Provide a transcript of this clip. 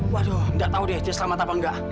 waduh gak tau deh dia selamat apa enggak